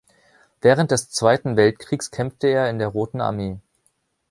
Während des Zweiten Weltkriegs kämpfte er in der Roten Armee.